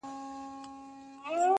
چي حالت پای ته ورسوي،